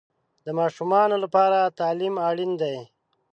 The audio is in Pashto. د ماشومانو لپاره تعلیم اړین دی.